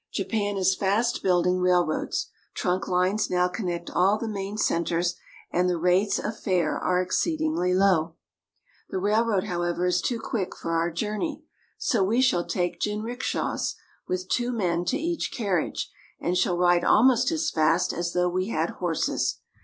Japan is fast building railroads. Trunk lines now connect all the main centers, and the rates of fare are exceedingly low. The railroad, however, is too quick for our journey. So we shall take jinrikishas, with two men to each carriage, and shall ride almost as fast as though we had horses.